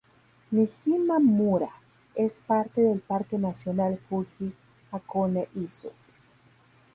Niijima-mura es parte del Parque Nacional Fuji-Hakone-Izu.